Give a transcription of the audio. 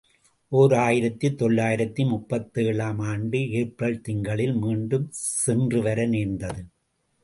ஓர் ஆயிரத்து தொள்ளாயிரத்து முப்பத்தேழு ஆம் ஆண்டு ஏப்ரல் திங்களில் மீண்டும் சென்று வர நேர்ந்தது.